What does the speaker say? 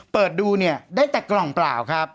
เปิดดูเนี่ยได้แต่กล่องเปล่าครับ